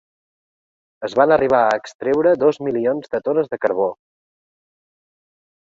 Es van arribar a extreure dos milions de tones de carbó.